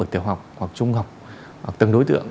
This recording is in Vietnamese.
tiểu học hoặc trung học hoặc từng đối tượng